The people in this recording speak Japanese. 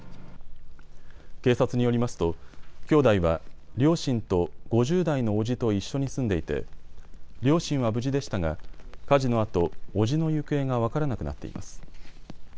警察によりますと兄弟は両親と５０代の伯父と一緒に住んでいて両親は無事でしたが火事のあと伯父の行方が分からなくなっています。